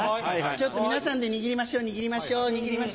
ちょっと皆さんで握りましょう握りましょう握りましょう。